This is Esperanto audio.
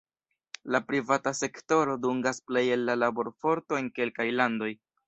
La privata sektoro dungas plej el la laborforto en kelkaj landoj.